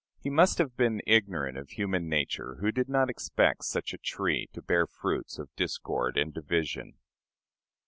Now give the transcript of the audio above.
He must have been ignorant of human nature who did not expect such a tree to bear fruits of discord and division.